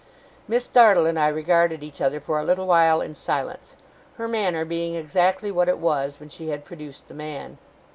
Miss Dartle and I regarded each other for a little while in silence; her manner being exactly what it was, when she had produced the man.